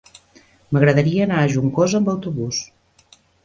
M'agradaria anar a Juncosa amb autobús.